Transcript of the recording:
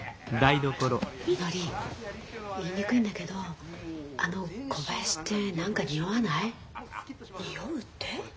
みのり言いにくいんだけどあの小林って何かにおわない？におうって？